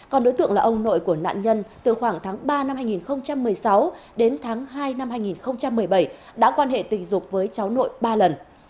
còn đối tượng là ông nội của nạn nhân từ khoảng tháng ba năm hai nghìn một mươi sáu đến tháng hai năm hai nghìn một mươi bảy đã quan hệ tình dục với cháu nội ba lần